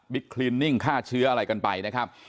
คลินนิ่งฆ่าเชื้ออะไรกันไปนะครับ